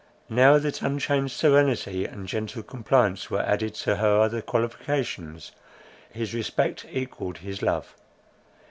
Now that unchanged serenity, and gentle compliance were added to her other qualifications, his respect equalled his love.